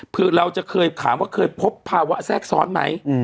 เพื่อเราจะเคยถามว่าเคยพบภาวะแทรกซ้อนไหม